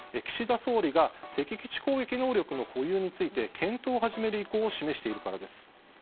岸田総理が敵基地能力の保有について検討を始める意向を示しているからです。